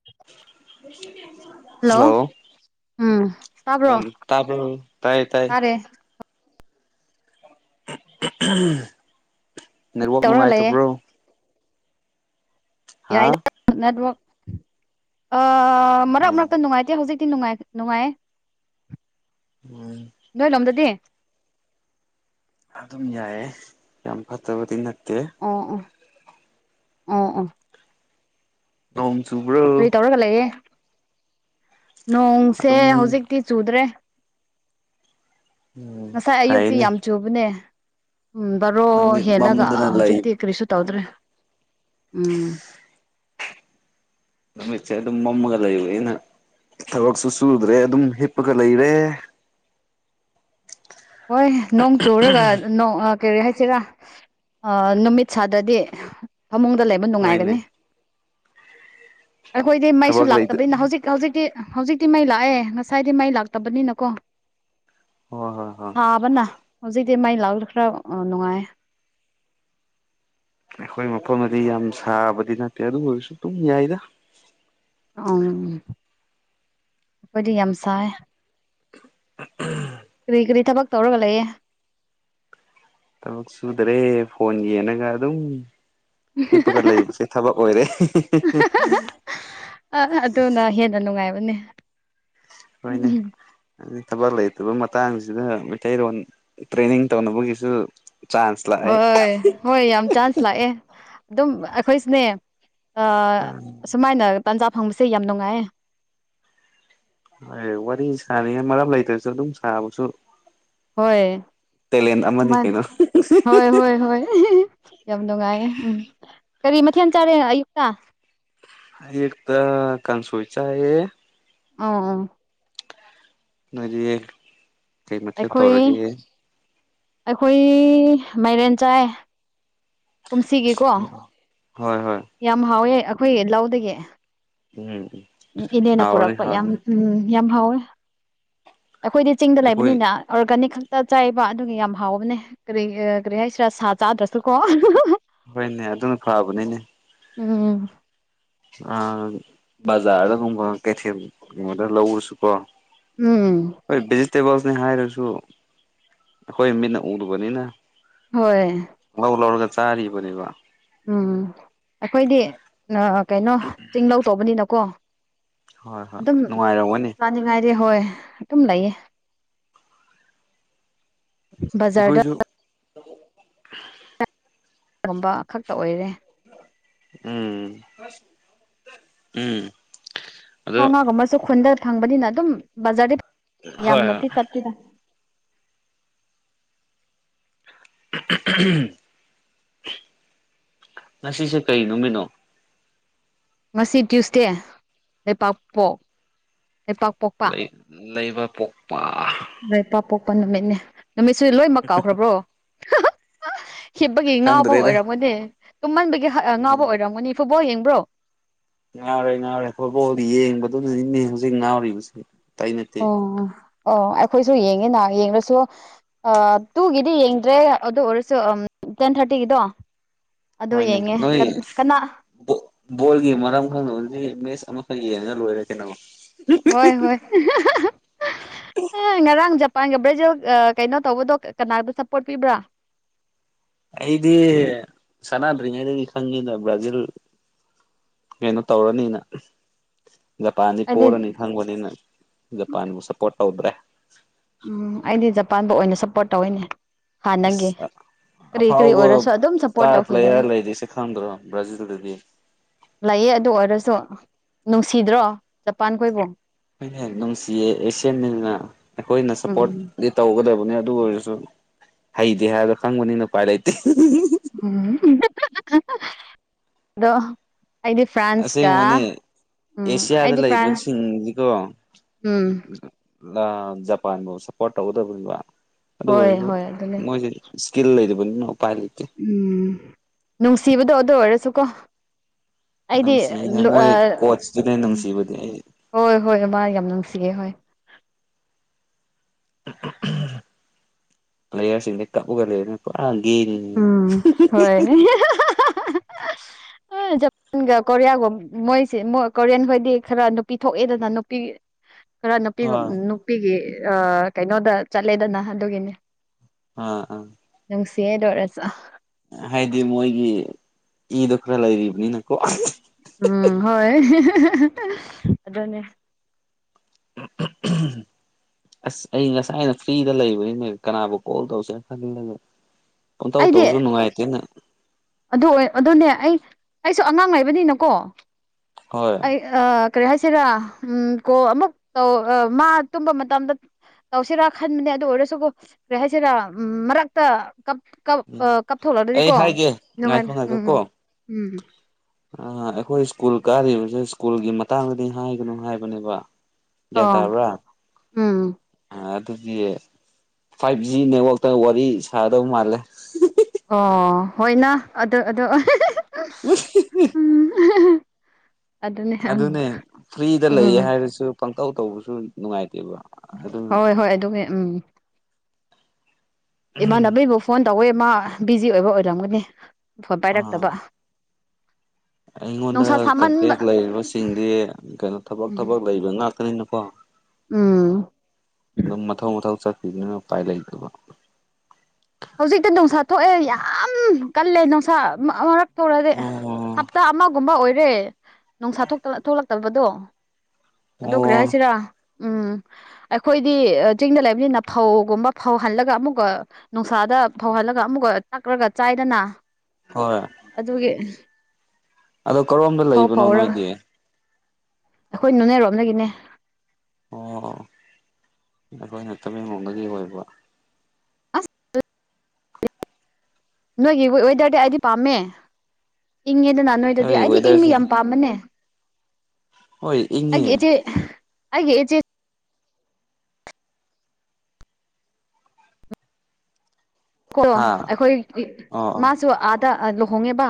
[unintelligible] hello ꯎꯝ ꯎꯝ ꯇꯥꯕ꯭ꯔꯣ ꯇꯥꯕꯔꯣ ꯇꯥꯏ ꯇꯥꯏ ꯇꯥꯔꯦ ꯅꯦꯠꯋꯥꯛ ꯇꯧꯔꯒ ꯂꯩꯌꯦ ꯅꯨꯡꯉꯥꯏꯇꯕ꯭ꯔꯣ ꯌꯥꯏꯗ ꯍꯥ ꯅꯦꯠꯋꯥꯛ ꯃꯔꯛ ꯃꯔꯛꯇ ꯎꯝ ꯅꯨꯡꯉꯥꯏꯇꯦ ꯍꯧꯖꯤꯛ ꯁꯤ ꯅꯨꯡꯉꯥꯏ ꯅꯨꯡꯉꯥꯏꯌꯦ ꯎꯝ ꯅꯣꯏ ꯂꯣꯝꯗꯗꯤ ꯑꯗꯨꯝ ꯌꯥꯏꯌꯦ ꯌꯥꯝ ꯐꯠꯇꯕꯗꯤ ꯅꯠꯇꯦ ꯑꯥ ꯑꯥ ꯎꯥ ꯎꯥ ꯅꯣꯡ ꯆꯨꯕ꯭ꯔꯣ ꯀꯔꯤ ꯇꯧꯔꯒ ꯂꯩꯌꯦ ꯅꯣꯡꯁꯦ ꯑꯗꯨꯝ ꯍꯧꯖꯤꯛ ꯍꯧꯖꯤꯛꯇꯤ ꯆꯨꯗ꯭ꯔꯦ ꯎꯝ ꯉꯁꯥꯏ ꯑꯌꯨꯛꯇꯤ ꯐꯩꯅꯦ ꯌꯥꯝ ꯆꯨꯕꯅꯦ ꯎꯝ ꯕꯥꯔꯣ ꯅꯨꯃꯤꯠ ꯍꯦꯜꯂꯒ ꯃꯝꯗꯅ ꯂꯩ ꯍꯧꯖꯤꯛꯇꯤ ꯀꯔꯤꯁꯨ ꯇꯧꯗ꯭ꯔꯦ ꯎꯝ ꯅꯨꯃꯤꯠꯁꯦ ꯑꯗꯨꯝ ꯃꯝꯃꯒ ꯂꯩꯕ ꯑꯩꯅ ꯊꯕꯛꯁꯨ ꯁꯨꯗ꯭ꯔꯦ ꯑꯗꯨꯝ ꯍꯤꯞꯄꯒ ꯂꯩꯔꯦ ꯍꯣꯏ ꯅꯣꯡ ꯆꯨꯔꯒ ꯅꯣꯡ ꯀꯔꯤ ꯍꯥꯏꯁꯤꯔꯥ ꯑ ꯅꯨꯃꯤꯠ ꯁꯥꯗꯗꯤ ꯐꯃꯨꯡꯗ ꯂꯩꯕ ꯍꯣꯏꯅꯦ ꯅꯨꯡꯉꯥꯏꯒꯅꯤ ꯑꯩꯈꯣꯏꯗꯤ ꯃꯩꯁꯨ ꯊꯕꯛ ꯂꯩꯇ ꯂꯥꯛꯇꯕꯅꯤꯅ ꯍꯧꯖꯤꯛ ꯍꯧꯖꯤꯛꯇꯤ ꯍꯧꯖꯤꯛꯇꯤ ꯃꯩ ꯂꯥꯛꯑꯦ ꯉꯁꯥꯏꯗꯤ ꯃꯩ ꯂꯥꯛꯇꯕꯅꯤꯅꯀꯣ ꯍꯣꯏ ꯍꯣꯏ ꯍꯣꯏ ꯇꯥꯕꯅ ꯍꯧꯖꯤꯛꯇꯤ ꯃꯥꯏ ꯂꯥꯛ ꯈꯔ ꯅꯨꯡꯉꯥꯏꯌꯦ ꯑꯩꯈꯣꯏ ꯃꯐꯝꯗꯗꯤ ꯌꯥꯝ ꯁꯥꯕꯗꯤ ꯅꯠꯇꯦ ꯑꯗꯨ ꯑꯣꯏꯔꯁꯨ ꯑꯗꯨꯝ ꯌꯥꯏꯗ ꯎꯝ ꯑꯩꯈꯣꯏꯗꯤ ꯌꯥꯝ ꯁꯥꯏ ꯀꯔꯤ ꯀꯔꯤ ꯊꯕꯛ ꯇꯧꯔꯒ ꯂꯩꯌꯦ ꯊꯕꯛ ꯁꯨꯗ꯭ꯔꯦ ꯐꯣꯟ ꯌꯦꯅꯒ ꯑꯗꯨꯝ ꯍꯤꯞꯄꯒ ꯂꯩꯕꯁꯦ ꯊꯕꯛ ꯑꯣꯏꯔꯦ ꯑ ꯑꯗꯨꯅ ꯍꯦꯟꯅ ꯅꯨꯡꯉꯥꯏꯕꯅꯦ ꯍꯣꯏꯅꯦ ꯎꯝ ꯍꯥꯏꯗꯤ ꯊꯕꯛ ꯂꯩꯇꯕ ꯃꯇꯥꯡꯁꯤꯗ ꯃꯩꯇꯩꯔꯣꯟ ꯇ꯭ꯔꯦꯅꯤꯡ ꯇꯧꯅꯕꯒꯤꯁꯨ ꯆꯥꯟꯁ ꯂꯥꯛꯑꯦ ꯍꯣꯏ ꯍꯣꯏ ꯌꯥꯝ ꯆꯥꯟꯁ ꯂꯥꯛꯑꯦ ꯑꯗꯨꯝ ꯑꯩꯈꯣꯏꯁꯨꯅꯦ ꯑ ꯁꯨꯃꯥꯏꯅ ꯇꯥꯟꯖꯥ ꯐꯪꯕꯁꯦ ꯌꯥꯝ ꯅꯨꯡꯉꯥꯏꯌꯦ ꯑꯦ ꯋꯥꯔꯤ ꯁꯥꯅꯤꯡꯉꯩ ꯃꯔꯝ ꯂꯩꯇ꯭ꯔꯁꯨ ꯑꯗꯨꯝ ꯁꯥꯕꯁꯨ ꯍꯣꯏ ꯇꯦꯂꯦꯟ ꯑꯃꯅꯤ ꯁꯨꯃꯥꯏ ꯀꯩꯅꯣ ꯍꯣꯏ ꯍꯣꯏ ꯍꯣꯏ ꯌꯥꯝ ꯅꯨꯡꯉꯥꯏꯌꯦ ꯎꯝ ꯀꯔꯤ ꯃꯊꯦꯟ ꯆꯥꯔꯦ ꯑꯌꯨꯛꯇ ꯑꯌꯨꯛꯇ ꯀꯥꯡꯁꯣꯏ ꯆꯥꯏꯌꯦ ꯎꯝ ꯎꯝ ꯅꯣꯏꯗꯤ ꯀꯩ ꯃꯊꯦꯜ ꯑꯩꯈꯣꯏ ꯇꯧꯔꯒꯦ ꯑꯩꯈꯣꯏ ꯃꯥꯏꯔꯦꯟ ꯆꯥꯏ ꯀꯨꯝꯁꯤꯒꯤꯀꯣ ꯍꯣꯏ ꯍꯣꯏ ꯌꯥꯝ ꯍꯥꯎꯋꯦ ꯑꯩꯈꯣꯏ ꯂꯧꯗꯒꯤ ꯎꯝ ꯎꯝ ꯏꯅꯦꯅ ꯍꯥꯎꯔꯅꯤ ꯄꯨꯔꯛꯄ ꯌꯥꯝ ꯍꯥꯎꯔꯅꯤ ꯎꯝ ꯌꯥꯝ ꯍꯥꯎꯋꯦ ꯑꯩꯈꯣꯏꯗꯤ ꯆꯤꯡꯗ ꯑꯩꯈꯣꯏ ꯂꯩꯕꯅꯤꯅ ꯑꯣꯔꯒꯥꯅꯤꯛ ꯈꯛꯇ ꯆꯥꯏꯌꯦꯕ ꯑꯗꯨꯒꯤ ꯌꯥꯝ ꯍꯥꯎꯕꯅꯦ ꯀꯔꯤꯒ ꯀꯔꯤ ꯍꯥꯏꯁꯤꯔꯥ ꯁꯥ ꯆꯥꯗ꯭ꯔꯁꯨ ꯀꯣ ꯍꯣꯏꯅꯦ ꯑꯗꯨꯅ ꯐꯥꯕꯅꯤꯅꯦ ꯎꯝ ꯑ ꯕꯖꯥꯔꯗꯒꯨꯝꯕ ꯀꯩꯊꯦꯜ ꯒꯨꯝꯕꯗ ꯂꯧꯔꯁꯨꯀꯣ ꯎꯝ ꯍꯣꯏ ꯚꯦꯖꯤꯇꯦꯕꯜꯁꯅꯤ ꯍꯥꯏꯔꯁꯨ ꯑꯩꯈꯣꯏ ꯃꯤꯠꯅ ꯎꯗꯕꯅꯤꯅ ꯍꯣꯏ ꯂꯧ ꯂꯧꯔꯒ ꯆꯥꯔꯤꯕꯅꯦꯕ ꯎꯝ ꯑꯩꯈꯣꯏꯗꯤ ꯅꯥ ꯀꯩꯅꯣ ꯆꯤꯡ ꯂꯧ ꯇꯧꯕꯅꯤꯅꯀꯣ ꯍꯣꯏ ꯍꯣꯏ ꯅꯨꯡꯉꯥꯏꯔꯝꯒꯅꯤ ꯅꯤꯡꯉꯥꯏꯗꯤ ꯍꯣꯏ ꯑꯗꯨꯝ ꯂꯩꯌꯦ ꯕꯖꯥꯔꯗ ꯑꯩꯈꯣꯏꯁꯨ ꯒꯨꯝꯕ ꯈꯛꯇ ꯑꯣꯏꯔꯦ ꯎꯝ ꯎꯝ ꯑꯗꯣ ꯁꯥ ꯉꯥꯒꯨꯝꯕꯁꯨ ꯈꯨꯟꯗ ꯐꯪꯕꯅꯤꯅ ꯑꯗꯨꯝ ꯕꯖꯥꯔꯗꯤ ꯍꯣꯏ ꯍꯣꯏ ꯌꯥꯝꯅꯗꯤ ꯆꯠꯇꯦꯗ ꯉꯁꯤꯁꯦ ꯀꯩ ꯅꯨꯃꯤꯠꯅꯣ ꯉꯁꯤ ꯇ꯭ꯌꯨꯁꯗꯦ ꯂꯩꯄꯥꯛꯄꯣꯛ ꯂꯩꯄꯥꯛ ꯄꯣꯛꯄ ꯂꯩ ꯂꯩꯕꯄꯣꯛꯄ ꯂꯩꯄꯥꯛꯄꯣꯛꯄ ꯅꯨꯃꯤꯠꯅꯦ ꯅꯨꯃꯤꯠꯁꯨ ꯂꯣꯏꯅꯃꯛ ꯀꯥꯎꯈ꯭ꯔꯕ꯭ꯔꯣ ꯍꯤꯞꯄꯒꯤ ꯉꯥꯎꯕ ꯈꯪꯗ꯭ꯔꯦꯗ ꯑꯣꯏꯔꯝꯒꯅꯦ ꯇꯨꯝꯃꯟꯕꯒꯤ ꯍꯥ ꯑ ꯉꯥꯎꯕ ꯎꯝ ꯑꯣꯏꯔꯝꯒꯅꯤ ꯐꯨꯠꯕꯣꯜ ꯌꯦꯡꯕ꯭ꯔꯣ ꯉꯥꯎꯔꯦ ꯉꯥꯎꯔꯦ ꯐꯨꯠꯕꯣꯜ ꯌꯦꯡꯕꯗꯨꯅꯅꯤꯅꯦ ꯍꯧꯖꯤꯛ ꯉꯥꯎꯔꯤꯕꯁꯦ ꯑꯇꯩ ꯅꯠꯇꯦ ꯑꯣ ꯑꯣ ꯑꯩꯈꯣꯏꯁꯨ ꯌꯦꯡꯉꯤꯅꯥ ꯌꯦꯡꯔꯁꯨ ꯑꯥ ꯇꯨꯒꯤꯗꯤ ꯌꯦꯡꯗ꯭ꯔꯦ ꯑꯗꯨ ꯑꯣꯏꯔꯁꯨ ꯑꯝ ꯇꯦꯟ ꯊꯥꯔꯇꯤꯒꯤꯗꯣ ꯑꯗꯨ ꯌꯦꯡꯉꯦ ꯀꯟ ꯀꯟꯅꯥ ꯕꯣ ꯕꯣꯜꯒꯤ ꯃꯔꯝ ꯈꯪꯅꯕꯗꯤ ꯃꯦꯠꯁ ꯑꯃꯈꯛ ꯌꯦꯡꯉꯒ ꯂꯣꯏꯔꯦ ꯀꯩꯅꯣ ꯍꯣꯏ ꯍꯣꯏ ꯑꯥ ꯉꯔꯥꯡ ꯖꯄꯥꯟꯒ ꯕ꯭ꯔꯥꯖꯤꯜ ꯑꯥ ꯀꯩꯅꯣ ꯇꯧꯕꯗꯣ ꯀꯅꯥꯗꯥ ꯁꯞꯄꯣꯔꯠ ꯄꯤꯕ꯭ꯔꯥ ꯑꯩꯗꯤ ꯁꯥꯅꯥꯗ꯭ꯔꯤꯉꯩꯗꯒꯤ ꯈꯪꯉꯤꯗꯥ ꯕ꯭ꯔꯥꯖꯤꯜ ꯀꯩꯅꯣ ꯇꯧꯔꯅꯤꯅ ꯖꯄꯥꯟꯗꯤ ꯄꯣꯔꯅꯤ ꯑꯩꯗꯤ ꯈꯪꯕꯅꯤꯅ ꯖꯄꯥꯟꯕꯨ ꯁꯞꯄꯣꯔꯠ ꯇꯧꯗ꯭ꯔꯦ ꯎꯝ ꯑꯩꯗꯤ ꯖꯄꯥꯟꯗ ꯑꯣꯏꯅ ꯁꯞꯄꯣꯔꯠ ꯇꯧꯋꯦꯅꯦ ꯏꯁ ꯑ ꯑꯐꯥꯎꯕ ꯑꯣꯏꯔꯁꯨ ꯑꯗꯨꯝ ꯁꯞꯄꯣꯔꯠ ꯁ꯭ꯇꯥꯔ ꯇꯧꯈꯤꯒꯅꯤ ꯄ꯭ꯂꯦꯌꯥꯔ ꯂꯩꯔꯤꯁꯦ ꯈꯪꯗ꯭ꯔꯣ ꯕ꯭ꯔꯥꯖꯤꯜꯗꯗꯤ ꯂꯩꯥꯌꯦ ꯑꯗꯨ ꯑꯣꯏꯔꯁꯨ ꯅꯨꯡꯁꯤꯗ꯭ꯔꯣ ꯖꯄꯥꯟꯈꯣꯏꯕꯨ ꯍꯣꯏꯅꯦꯍꯦ ꯅꯨꯡꯁꯤꯌꯦ ꯑꯦꯁꯤꯌꯥꯟꯅꯤꯅ ꯑꯩꯈꯣꯏꯅ ꯎꯝ ꯁꯞꯄꯣꯔꯠꯗꯤ ꯇꯧꯒꯗꯧꯕꯅꯤ ꯑꯗꯨ ꯑꯣꯏꯔꯁꯨ ꯍꯩꯇꯦ ꯍꯥꯏꯕꯗꯣ ꯈꯪꯕꯅꯤꯅ ꯎꯄꯥꯏ ꯂꯩꯇꯦ ꯎꯝ ꯑꯗꯣ ꯑꯩ ꯑꯁꯦꯡꯕꯅꯦ ꯑꯦꯁꯤꯌꯥꯗ ꯑꯩꯗꯤ ꯐ꯭ꯔꯥꯟꯁ ꯂꯩꯕꯁꯤꯡꯗꯤꯀꯣ ꯎꯝ ꯂꯥ ꯖꯄꯥꯟꯕꯨ ꯁꯞꯄꯣꯔꯠ ꯇꯧꯒꯗꯧꯕꯒꯤ ꯋꯥ ꯑꯗꯨ ꯍꯣꯏ ꯑꯣꯏꯔꯁꯨ ꯍꯣꯏ ꯑꯗꯨꯅꯦ ꯃꯣꯏꯁꯤ ꯁ꯭ꯀꯤꯜ ꯂꯩꯗꯕꯅꯤꯅ ꯎꯄꯥꯏ ꯂꯩꯇꯦ ꯎꯝ ꯅꯨꯡꯁꯤꯕꯗꯣ ꯑꯗꯨ ꯑꯣꯏꯔꯁꯨꯀꯣ ꯑꯩꯗꯤ ꯅꯨꯡꯁꯤꯅꯦ ꯂꫭ ꯃꯣꯏ ꯑ ꯀꯣꯆꯇꯨꯅꯦ ꯎꯝ ꯅꯨꯡꯁꯤꯕꯗꯤ ꯑꯩ ꯍꯣꯏ ꯍꯣꯏ ꯃꯥ ꯌꯥꯝ ꯅꯨꯡꯁꯤꯌꯦ ꯍꯣꯏ ꯄ꯭ꯂꯦꯌꯥꯔꯁꯤꯡꯗꯤ [unintelligible] ꯄꯨꯔꯥ ꯒꯦꯅꯤꯅꯦ ꯎꯝ ꯍꯣꯏ [inaudible] ꯑ ꯖꯄꯥꯟꯒ ꯀꯣꯔꯤꯌꯥꯒꯨꯝ ꯃꯣꯏꯁꯦ ꯀꯣꯔꯤꯌꯥꯟ ꯈꯣꯏꯗꯤ ꯈꯔ ꯅꯨꯄꯤ ꯊꯣꯛꯑꯦꯗꯅ ꯅꯨꯄꯤ ꯈꯔ ꯅꯨꯄꯤ ꯍꯣꯏ ꯅꯨꯄꯤꯒꯤ ꯑꯥ ꯀꯩꯅꯣꯗ ꯆꯠꯂꯦꯗꯅ ꯑꯗꯨꯒꯤꯅꯤ ꯑꯥ ꯑꯥ ꯅꯨꯡꯁꯤꯌꯦ ꯑꯗꯨ ꯑꯣꯏꯔꯁꯨ ꯍꯥꯏꯗꯤ ꯃꯣꯏꯒꯤ ꯏꯗꯣ ꯈꯔ ꯂꯩꯔꯤꯕꯅꯤꯅꯀꯣ ꯎꯝ ꯍꯣꯏ ꯑꯗꯨꯅꯦ [unintelligible] ꯑꯁ ꯑꯩ ꯉꯁꯥꯏꯅ ꯐ꯭ꯔꯤꯗ ꯂꯩꯕꯅꯤꯅꯦ ꯀꯅꯥꯕꯨ ꯀꯣꯜ ꯇꯧꯁꯤꯔꯥ ꯈꯜꯂꯒ ꯄꯪ ꯇꯧ ꯑꯩꯗꯤ ꯇꯧꯁꯨ ꯅꯨꯡꯉꯥꯏꯇꯦꯅ ꯑꯗꯨ ꯑꯣꯏ ꯑꯗꯨꯅꯦ ꯑꯩ ꯑꯩꯁꯨ ꯑꯉꯥꯡ ꯂꯩꯕꯅꯤꯅꯀꯣ ꯍꯣꯏ ꯑꯩ ꯑ ꯀꯔꯤ ꯍꯥꯏꯁꯤꯔꯥ ꯎꯝ ꯀꯣ ꯑꯃꯨꯛ ꯇꯧ ꯑ ꯃꯥ ꯇꯨꯝꯕ ꯃꯇꯝꯗ ꯇꯧꯁꯤꯔꯥ ꯈꯟꯕꯅꯦ ꯑꯗꯨ ꯑꯣꯏꯔꯁꯨꯒꯣ ꯀꯔꯤ ꯍꯥꯏꯁꯤꯔꯥ ꯎꯝ ꯃꯔꯛꯇ ꯀꯞ ꯀꯞ ꯑꯥ ꯎꯝ ꯑꯩ ꯀꯥꯞꯊꯣꯛꯂꯛꯂꯗꯤꯀꯣ ꯍꯥꯏꯒꯦ ꯅꯨꯡꯉꯥꯏ ꯉꯥꯏꯈꯣ ꯉꯥꯏꯈꯣ ꯎꯝ ꯀꯣ ꯎꯝ ꯑ ꯑꯩꯈꯣꯏ ꯁ꯭ꯀꯨꯜ ꯀꯥꯔꯤꯕꯁꯦ ꯁ꯭ꯀꯨꯜꯒꯤ ꯃꯇꯥꯡꯗꯗꯤ ꯍꯥꯏꯒꯅꯨ ꯍꯥꯏꯕꯅꯦꯕ ꯒ꯭ꯌꯥꯟ ꯑꯣ ꯇꯥꯕ꯭ꯔꯥ ꯎꯝ ꯑꯗꯨꯗꯤ ꯐꯥꯏꯚ ꯖꯤ ꯅꯦꯠꯋꯥꯛꯇ ꯋꯥꯔꯤ ꯁꯥꯒꯗꯧ ꯃꯥꯜꯂꯦ ꯑꯣ ꯍꯣꯏꯅ ꯑꯗꯨ ꯑꯗꯨ ꯎꯝ [unintelligible] ꯑꯗꯨꯅꯦ ꯐ꯭ꯔꯤꯗ ꯎꯝ ꯂꯩꯌꯦ ꯍꯥꯏꯔꯁꯨ ꯄꯪꯇꯧ ꯇꯧꯕꯁꯨ ꯅꯨꯡꯉꯥꯏꯇꯦꯕ ꯑꯗꯨꯅ ꯍꯣꯏ ꯍꯣꯏ ꯑꯗꯨꯒꯤ ꯎꯝ ꯏꯃꯥꯟꯅꯕꯤꯕꯨ ꯐꯣꯟ ꯇꯧꯋꯦ ꯃꯥ ꯕꯤꯖꯤ ꯑꯣꯏꯕ ꯑꯣꯏꯔꯝꯒꯅꯤ ꯐꯣꯟ ꯑꯥ ꯄꯥꯏꯔꯛꯇꯕ ꯑꯩꯉꯣꯟꯗ ꯅꯨꯡꯁꯥ ꯁꯥꯃꯟꯕ ꯀꯟꯇꯦꯛ ꯂꯩꯔꯤꯕꯁꯤꯡꯗꯤ ꯀꯩꯅꯣ ꯊꯕꯛ ꯊꯕꯛ ꯂꯩꯕ ꯉꯥꯛꯇꯅꯤꯅꯀꯣ ꯎꯝ ꯗꯨꯝ ꯃꯊꯧ ꯃꯊꯧ ꯆꯠꯈꯤꯗꯅ ꯎꯄꯥꯏ ꯂꯩꯇꯕ ꯍꯧꯖꯤꯛꯇꯤ ꯅꯨꯡꯁꯥ ꯊꯣꯛꯑꯦ ꯌꯥꯝ ꯀꯜꯂꯦ ꯅꯨꯡꯁꯥ ꯃ ꯑꯥ ꯃꯔꯛ ꯊꯣꯛꯔꯗꯤ ꯑꯣ ꯍꯞꯇꯥ ꯑꯃꯒꯨꯝꯕ ꯑꯣꯏꯔꯦ ꯅꯨꯡꯁꯥ ꯊꯣꯛꯇꯅ ꯊꯣꯛꯂꯛꯇꯕꯗꯣ ꯑꯗꯣ ꯀꯔꯤ ꯑꯣ ꯍꯥꯏꯁꯤꯔꯥ ꯎꯝ ꯑꯩꯈꯣꯏꯗꯤ ꯑ ꯆꯤꯡꯗ ꯂꯩꯕꯅꯤꯅ ꯐꯧꯒꯨꯝꯕ ꯐꯧ ꯍꯜꯂꯒ ꯑꯃꯨꯛꯀ ꯅꯨꯡꯁꯥꯗ ꯐꯧꯍꯜꯂꯒ ꯑꯃꯨꯛꯀ ꯇꯛꯔꯒ ꯆꯥꯏꯗꯅ ꯍꯣꯏ ꯑꯗꯨꯒꯤ ꯑꯗꯣ ꯀꯔꯣꯝꯗ ꯐꯧ ꯂꯩꯕꯅꯣ ꯐꯧꯔꯒ ꯅꯣꯏꯗꯤ ꯑꯩꯈꯣꯏ ꯅꯣꯅꯦꯔꯣꯝꯗꯒꯤꯅꯦ ꯑꯣ ꯑꯩꯈꯣꯏꯅ ꯇꯃꯦꯡꯂꯣꯡꯗꯒꯤ ꯑꯣꯏꯕ ꯑꯁ [inaudible] ꯅꯣꯏꯒꯤ ꯋꯦ ꯋꯦꯗꯔꯗꯤ ꯑꯩꯗꯤ ꯄꯥꯝꯃꯦ ꯏꯪꯉꯦꯗꯅ ꯅꯣꯏꯗꯗꯤ ꯍꯣꯏ ꯑꯩꯗꯤ ꯏꯪꯕ ꯋꯦꯗꯔꯁꯦ ꯌꯥꯝ ꯄꯥꯝꯕꯅꯦ ꯍꯣꯏ ꯑꯩꯒꯤ ꯏꯪꯉꯦ ꯢꯆꯦ ꯑꯩꯒꯤ ꯢꯆꯦ ꯀꯣ ꯍꯥ ꯑꯩꯈꯣꯏ ꯑꯣ ꯑꯣ ꯃꯥꯁꯨ ꯑꯥꯗ ꯂꯨꯍꯣꯡꯉꯦꯕ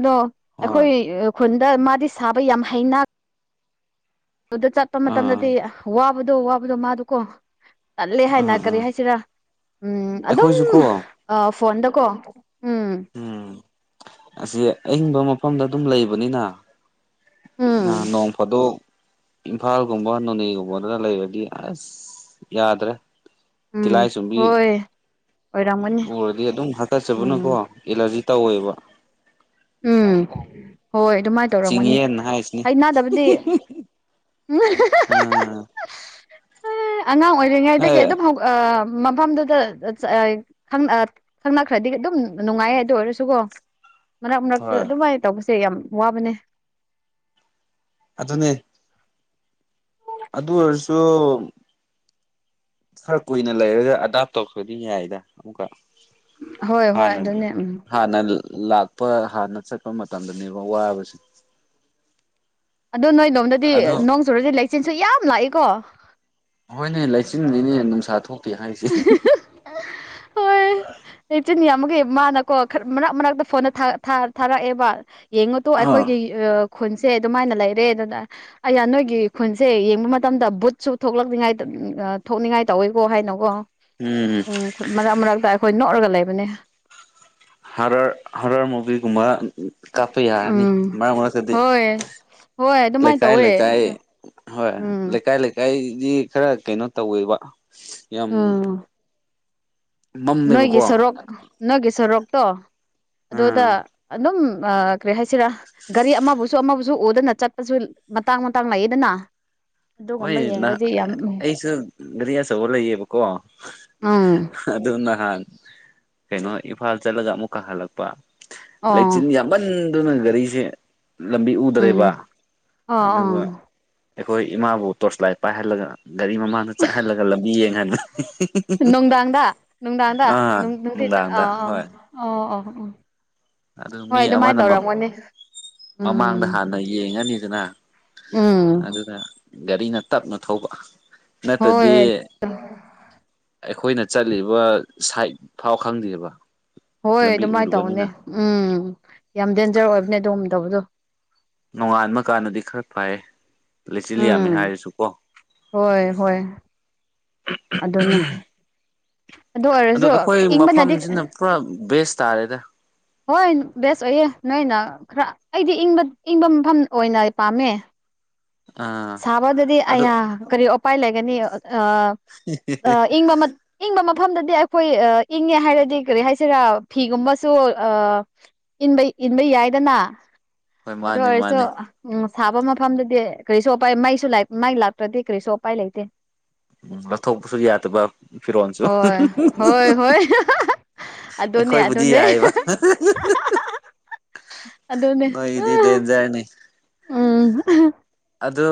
ꯑꯗꯣ ꯍꯣꯏ ꯑꯩꯈꯣꯏ ꯈꯨꯟꯗ ꯃꯥꯗꯤ ꯁꯥꯕ ꯌꯥꯝ ꯍꯩꯅ ꯑꯗꯨ ꯆꯠꯄ ꯑꯥ ꯃꯇꯝꯗꯗꯤ ꯋꯥꯕꯗꯣ ꯋꯥꯕꯗꯣ ꯃꯥꯗ ꯀꯣ ꯇꯠꯂꯦ ꯑꯥ ꯍꯥꯏꯅ ꯀꯔꯤ ꯑꯥ ꯍꯥꯏꯁꯤꯔꯥ ꯎꯝ ꯑꯗꯨꯝ ꯑꯩꯈꯣꯏꯁꯨꯀꯣ ꯑ ꯐꯣꯟꯗꯀꯣ ꯎꯝ ꯎꯝ ꯑꯁꯤ ꯑꯌꯤꯡꯕ ꯃꯐꯝꯗ ꯑꯗꯨꯝ ꯂꯩꯕꯅꯤꯅ ꯎꯝ ꯅꯣꯡ ꯐꯥꯗꯣꯛ ꯏꯝꯐꯥꯜꯒꯨꯝꯕ ꯅꯣꯅꯦꯒꯨꯝꯕꯗꯅ ꯂꯩꯔꯗꯤ ꯑꯁ ꯌꯥꯗ꯭ꯔꯦ ꯎꯝ ꯇꯤꯂꯥꯏ ꯆꯨꯝꯕꯤ ꯍꯣꯏ ꯑꯣꯏꯔꯝꯒꯅꯤ ꯎꯔꯗꯤ ꯑꯗꯨꯝ ꯍꯥꯀꯠꯆꯕꯅꯀꯣ ꯎꯝ ꯑꯦꯂꯔꯖꯤ ꯇꯧꯋꯦꯕ ꯎꯝ ꯍꯣꯏ ꯑꯗꯨꯃꯥꯏꯅ ꯇꯧꯔꯝꯒꯅꯤ ꯆꯤꯡꯌꯦꯟ ꯍꯥꯏꯁꯤꯅꯤ ꯍꯩꯅꯥꯗꯕꯗꯤ ꯎꯝ ꯑꯉꯥꯡ ꯍ ꯑꯣꯏꯔꯤꯉꯩꯗꯒꯤ ꯑꯗꯨꯝ ꯍꯧ ꯃꯐꯝꯗꯨꯗ ꯈꯪꯅꯈ꯭ꯔꯗꯤ ꯑꯗꯨꯝ ꯅꯨꯡꯉꯥꯏꯌꯦ ꯑꯗꯨ ꯑꯣꯏꯔꯁꯨꯀꯣ ꯃꯔꯛ ꯃꯔꯛꯇ ꯍꯣꯏ ꯑꯗꯨꯃꯥꯏꯅ ꯇꯧꯕꯁꯦ ꯌꯥꯝ ꯋꯥꯕꯅꯦ ꯑꯗꯨꯅꯦ ꯑꯗꯨ ꯑꯣꯏꯔꯁꯨ ꯈꯔ ꯀꯨꯏꯅ ꯂꯩꯔꯒ ꯑꯗꯥꯞ ꯇꯧꯔꯛꯄꯗꯤ ꯌꯥꯏꯗ ꯑꯃꯨꯛꯀ ꯍꯣꯏ ꯍꯣꯏ ꯍꯥꯟꯅ ꯑꯗꯨꯅꯦ ꯎꯝ ꯍꯥꯟꯅ ꯂꯥꯛꯄ ꯍꯥꯟꯅ ꯆꯠꯄ ꯃꯇꯝꯗꯅꯦꯕ ꯋꯥꯁꯦ ꯑꯗꯣ ꯅꯣꯏ ꯔꯣꯝꯗꯗꯤ ꯑꯗꯣ ꯅꯣꯡ ꯆꯨꯔꯗꯤ ꯂꯩꯆꯤꯟꯁꯨ ꯌꯥꯝ ꯂꯥꯛꯏꯀꯣ ꯍꯣꯏꯅꯦ ꯂꯩꯆꯤꯟꯅꯤꯅꯦ ꯅꯨꯡꯁꯥ ꯊꯣꯛꯇꯦ ꯍꯥꯏꯔꯤꯁꯦ ꯂꯩꯆꯤꯟꯅꯤ ꯌꯥꯝꯕꯒꯤ ꯃꯥꯅꯀꯣ ꯃꯔꯛ ꯃꯔꯛꯇ ꯐꯣꯟꯗ ꯊꯥꯔꯛꯑꯦꯕ ꯌꯦꯡꯉꯨꯗꯣ ꯑ ꯑꯩꯈꯣꯏꯒꯤ ꯈꯨꯟꯁꯦ ꯑꯗꯨꯃꯥꯏꯅ ꯂꯩꯔꯦ ꯑꯗꯨꯅ ꯑꯩ ꯅꯣꯏꯒꯤ ꯈꯨꯟꯁꯦ ꯌꯦꯡꯕ ꯃꯇꯝꯗ ꯕꯨꯠꯁꯨ ꯊꯣꯛꯂꯛꯅꯤꯉꯥꯏ ꯊꯣꯛꯅꯤꯡꯉꯥꯏ ꯇꯧꯋꯦꯀꯣ ꯍꯥꯏꯅ ꯑꯣ ꯎꯝ ꯎꯝ ꯃꯔꯛ ꯃꯔꯛꯇ ꯑꯩꯈꯣꯏ ꯅꯣꯛꯂꯒ ꯂꯩꯕꯅꯦ ꯍꯔꯔ ꯍꯔꯔ ꯃꯨꯚꯤꯒꯨꯝꯕ ꯀꯥꯞꯄ ꯌꯥꯔꯅꯤ ꯎꯝ ꯃꯔꯛ ꯃꯔꯛꯇꯗꯤ ꯍꯣꯏ ꯍꯣꯏ ꯑꯗꯨꯃꯥꯏꯅ ꯂꯩꯀꯥꯏ ꯇꯧꯋꯦ ꯂꯩꯀꯥꯏ ꯍꯣꯏ ꯎꯝ ꯂꯩꯀꯥꯏ ꯂꯩꯀꯥꯏꯗꯤ ꯈꯔ ꯀꯩꯅꯣ ꯇꯧꯋꯦꯕ ꯌꯥꯝ ꯎꯟ ꯅꯣꯏꯒꯤ ꯃꯝꯃꯦꯕꯀꯣ ꯁꯣꯔꯣꯛ ꯅꯣꯏꯒꯤ ꯁꯣꯔꯣꯛꯇꯣ ꯑꯗꯨꯗ ꯑꯥ ꯑꯗꯨꯝ ꯀ꯭ꯔꯦ ꯍꯥꯏꯁꯤꯔꯥ ꯒꯥꯔꯤ ꯑꯃꯕꯨꯁꯨ ꯑꯃꯕꯨꯁꯨ ꯑꯣꯗꯅ ꯆꯠꯄꯁꯨ ꯃꯇꯥꯡ ꯃꯇꯥꯡ ꯂꯩꯌꯦꯗꯅ ꯑꯗꯨꯒꯨꯝꯕ ꯍꯣꯏ ꯅꯍ ꯌꯦꯡꯂꯗꯤ ꯌꯥꯝ ꯑꯩꯁꯨ ꯒꯥꯔꯤ ꯑꯆꯧꯕ ꯂꯩꯌꯦꯕꯀꯣ ꯎꯝ ꯑꯗꯨ ꯅꯍꯥꯟ ꯀꯩꯅꯣ ꯏꯝꯐꯥꯜ ꯆꯠꯂꯒ ꯑꯃꯨꯛ ꯀꯥ ꯍꯜꯂꯛꯄ ꯑꯣ ꯂꯩꯆꯤꯟ ꯌꯥꯝ ꯄꯟꯗꯨꯅ ꯒꯥꯔꯤꯁꯦ ꯂꯝꯕꯤ ꯎꯗ꯭ꯔꯦꯕ ꯎꯝ ꯑꯣ ꯑꯣ ꯑꯗꯨꯒ ꯑꯩꯈꯣꯏ ꯏꯃꯥꯕꯨ ꯇꯣꯔꯆ ꯂꯥꯏꯠ ꯄꯥꯏꯍꯜꯂꯒ ꯒꯥꯔꯤ ꯃꯃꯥꯡꯗ ꯆꯥꯏꯍꯜꯂꯒ ꯂꯝꯕꯤ ꯌꯦꯡꯍꯟꯕꯅꯦ ꯅꯨꯡꯗꯥꯡꯗ ꯅꯨꯡꯗꯥꯥꯡꯗ ꯅꯨꯡꯗꯤꯟ ꯑ ꯅꯨꯡꯗꯥꯡꯗ ꯍꯣꯏ ꯑ ꯑ ꯑ ꯑꯗꯨ ꯍꯣꯏ ꯃꯤ ꯑꯗꯨꯃꯥꯏꯅ ꯑꯃꯅ ꯇꯧꯔꯝꯒꯅꯤ ꯃꯃꯥꯡꯗ ꯎꯝ ꯍꯥꯟꯅ ꯌꯦꯡꯉꯅꯤꯗꯅ ꯎꯝ ꯑꯗꯨꯗ ꯒꯥꯔꯤꯅ ꯇꯞꯅ ꯊꯧꯕ ꯅꯠꯇ꯭ꯔꯗꯤ ꯍꯣꯏ ꯑꯩꯈꯣꯏꯅ ꯆꯠꯂꯤꯕ ꯁꯥꯏꯠ ꯐꯥꯎ ꯈꯪꯗꯦꯕ ꯍꯣꯏ ꯂꯝꯕꯤ ꯑꯗꯨꯃꯥꯏꯅ ꯇꯧꯕꯅꯦ ꯎꯗꯕꯅꯤꯅ ꯎꯝ ꯌꯥꯝ ꯗꯦꯟꯖꯔ ꯑꯣꯏꯕꯅꯦ ꯑꯗꯨꯒꯨꯝꯕꯗꯣ ꯅꯣꯡꯉꯥꯟꯕ ꯀꯥꯟꯗꯗꯤ ꯈꯔ ꯐꯥꯏꯌꯦ ꯎꯝ ꯍꯣꯏ ꯍꯣꯏ ꯑꯗꯨꯅꯦ ꯑꯗꯨ ꯑꯗꯣ ꯑꯣꯏꯔꯁꯨ ꯑꯩꯈꯣꯏ ꯏꯪꯕꯅꯗꯤ ꯃꯐꯝꯁꯤꯅ ꯄꯨꯔꯥ ꯕꯦꯁ ꯇꯥꯔꯦꯗ ꯍꯣꯏ ꯕꯦꯁ ꯑꯣꯏꯌꯦ ꯅꯣꯏꯅ ꯈꯔ ꯑꯩꯗꯤꯕ ꯏꯪꯕ ꯃꯐꯝ ꯑꯣꯏꯅ ꯄꯥꯝꯃꯦ ꯑꯥ ꯁꯥꯕꯗꯗꯤ ꯑꯗꯨ ꯑꯩꯌꯥ ꯀꯔꯤ ꯎꯄꯥꯏ ꯂꯩꯒꯅꯤ ꯏꯪꯕ ꯃꯛ ꯏꯪꯕ ꯃꯐꯝꯗꯗꯤ ꯑꯩꯈꯣꯏ ꯑ ꯏꯪꯉꯦ ꯍꯥꯏꯔꯗꯤ ꯀꯔꯤ ꯍꯥꯏꯁꯤꯔꯥ ꯐꯤꯒꯨꯝꯕꯁꯨ ꯑ ꯏꯟꯕ ꯏꯟꯕ ꯌꯥꯏꯗꯅ ꯍꯣꯏ ꯑꯗꯨ ꯃꯥꯅꯦ ꯑꯣꯏꯔꯁꯨ ꯃꯥꯅꯦ ꯎꯝ ꯁꯥꯕ ꯃꯐꯝꯗꯨꯗꯤ ꯀꯔꯤꯁꯨ ꯎꯄꯥꯏ ꯃꯥꯏꯁꯨ ꯃꯩ ꯂꯥꯛꯇ꯭ꯔꯗꯤ ꯀꯔꯤꯁꯨ ꯎꯄꯥꯏ ꯂꯩꯇꯦ ꯎꯝ ꯂꯧꯊꯣꯛꯄꯁꯨ ꯌꯥꯗꯕ ꯐꯤꯔꯣꯜꯁꯨ ꯍꯣꯏ [unintelligible] ꯍꯣꯏ ꯍꯣꯏ [unintelligible] ꯑꯗꯨꯅꯦ ꯑꯩꯈꯣꯏꯕꯨꯗꯤ ꯑꯗꯨꯅꯦ ꯌꯥꯏꯕ [unintelligible] ꯑꯗꯨꯅꯦ ꯅꯣꯏꯗꯤ ꯗꯦꯟꯖꯔꯅꯤ ꯎꯝ [unintelligible] ꯑꯗꯣ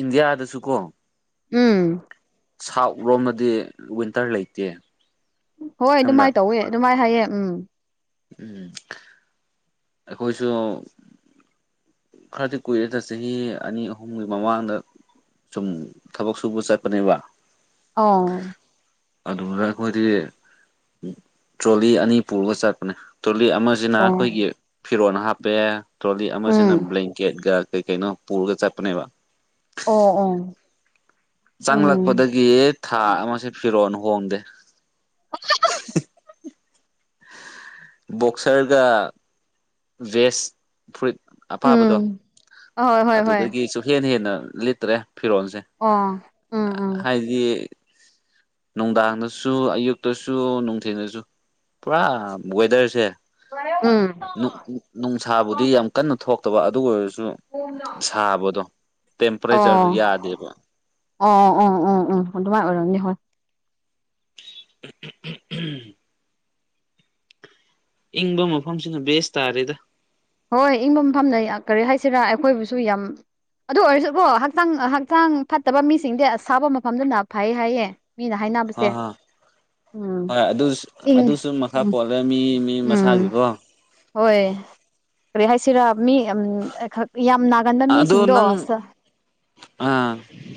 ꯏꯟꯗꯤꯌꯥꯗꯁꯨ ꯀꯣ ꯎꯝ ꯁꯥꯎ ꯂꯣꯝꯃꯗꯤ ꯋꯤꯟꯇꯔ ꯂꯩꯇꯦ ꯍꯣꯏ ꯈꯪꯕ꯭ꯔꯥ ꯑꯗꯨꯃꯥꯏꯅ ꯇꯧꯋꯦ ꯑꯗꯨꯃꯥꯏꯅ ꯍꯥꯏꯌꯦ ꯎꯝ ꯎꯝ ꯑꯩꯈꯣꯏꯁꯨ ꯈꯔꯗꯤ ꯀꯨꯏꯔꯦꯗ ꯆꯍꯤ ꯑꯅꯤ ꯑꯍꯨꯝꯒꯤ ꯃꯃꯥꯡꯗ ꯁꯨꯝ ꯊꯕꯛ ꯁꯨꯕ ꯆꯠꯄꯅꯦꯕ ꯑ ꯑꯗꯨꯗ ꯑꯩꯈꯣꯏꯗꯤ ꯇ꯭ꯔꯣꯂꯤ ꯑꯅꯤ ꯄꯨꯔꯒ ꯆꯠꯄꯅꯦ ꯇꯣꯂꯤ ꯑꯃꯁꯤꯅ ꯑꯩꯈꯣꯏꯒꯤ ꯐꯤꯔꯣꯟꯜ ꯍꯥꯞꯄꯦ ꯇꯣꯂꯤ ꯑꯃꯁꯤꯅ ꯎꯝ ꯕ꯭ꯂꯦꯡ ꯀꯦꯠꯀꯥ ꯀꯩ ꯀꯩꯅꯣ ꯄꯨꯔꯒ ꯆꯠꯄꯅꯦꯕ ꯑꯣ ꯑꯣ ꯎꯝ ꯆꯪꯂꯛꯄꯗꯒꯤ ꯊꯥ ꯑꯃꯁꯦ ꯐꯤꯔꯣꯟꯜ ꯍꯣꯡꯗꯦ [unintelligible] ꯕꯣꯛꯁꯔꯒ ꯚꯦꯖ ꯐ꯭ꯔꯨꯏꯠ ꯑꯄꯕꯗꯣ ꯎꯝ ꯑꯍꯣꯏ ꯍꯣꯏ ꯍꯣꯏ ꯑꯗꯨꯗꯒꯤ ꯆꯨꯝ ꯍꯦꯟ ꯍꯦꯟꯅ ꯂꯤꯠꯇ꯭ꯔꯦ ꯐꯤꯔꯣꯜꯁꯦ ꯑꯣ ꯎꯝ ꯎꯝ ꯍꯥꯏꯗꯤ ꯅꯨꯡꯗꯥꯡꯗꯁꯨ ꯑꯌꯨꯛꯇꯁꯨ ꯅꯨꯡꯊꯤꯟꯗꯁꯨ ꯄꯨꯔꯥ ꯋꯦꯗꯔꯁꯦ ꯎꯝ ꯅꯨꯡꯁꯥꯕꯨꯗꯤ ꯌꯥꯝ ꯀꯟꯅ ꯊꯣꯛꯇꯕ ꯑꯗꯨ ꯑꯣꯏꯔꯁꯨ ꯁꯥꯕꯗꯣ ꯑꯣ ꯇꯦꯝꯄꯔꯦꯆꯔꯗꯣ ꯌꯥꯗꯦꯕ ꯑꯣ ꯑꯣ ꯑꯣ ꯎ ꯑꯗꯨꯃꯥꯏ ꯑꯣꯏꯔꯝꯅꯤ ꯍꯣꯢ ꯎꯝ [unintelligible] ꯏꯪꯕ ꯃꯐꯝꯁꯤꯅ ꯕꯦꯁ ꯇꯥꯔꯦꯗ ꯍꯣꯏ ꯏꯪꯕ ꯃꯐꯝꯅ ꯀꯔꯤ ꯍꯥꯏꯁꯤꯔꯥ ꯑꯩꯈꯣꯏꯕꯨꯁꯨ ꯌꯥꯝ ꯑꯗꯨ ꯑꯣꯏꯔꯁꯨꯕꯣ ꯍꯛꯆꯥꯡ ꯍꯛꯆꯥꯡ ꯐꯠꯇꯕ ꯃꯤꯁꯤꯡꯗꯤ ꯑꯁꯥꯕ ꯃꯐꯝꯗꯨꯅ ꯐꯩ ꯍꯥꯏꯌꯦ ꯃꯤꯅ ꯍ ꯍꯥꯏꯅꯕꯁꯦ ꯍ ꯎꯝ ꯏꯪ ꯎꯝ ꯥ [unintelligible] ꯃꯤ ꯃꯤ ꯎꯝ ꯃꯁꯥꯒꯤꯀꯣ ꯍꯣꯏ ꯀꯔꯤ ꯍꯥꯏꯁꯤꯔꯥ ꯃꯤ ꯌꯥꯝ ꯅꯥꯒꯟꯕ ꯑꯗꯣ ꯃꯤꯁꯤꯡꯗꯣ ꯅꯪ ꯑꯥ